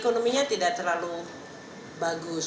ekonominya tidak terlalu bagus